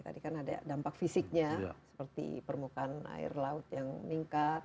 tadi kan ada dampak fisiknya seperti permukaan air laut yang meningkat